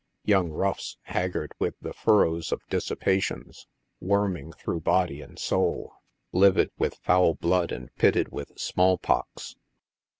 Young roughs, haggard with the furrows of dissipations worming through body and soul, livid with foul blood and pitted with small pox.